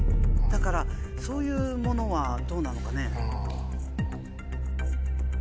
だからそういうものはどうなのかね？